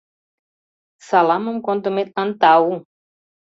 Саламым кондыметлан тау!